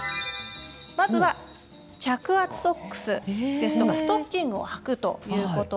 まずは着圧ソックスですとかストッキングを履くということ。